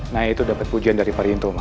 naya itu dapet pujian dari parinto ma